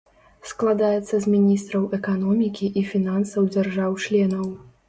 Складаецца з міністраў эканомікі і фінансаў дзяржаў-членаў.